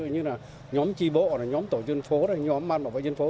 nhóm tri bộ nhóm tổ dân phố nhóm an bảo vệ dân phố